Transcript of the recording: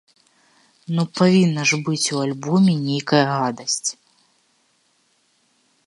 Ну павінна ж быць у альбоме нейкая гадасць!